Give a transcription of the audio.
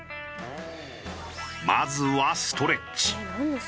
まずはストレッチ。